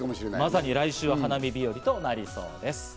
まさに来週はお花見日和となりそうです。